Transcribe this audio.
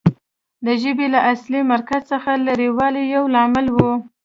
د ژبې له اصلي مرکز څخه لرې والی یو لامل و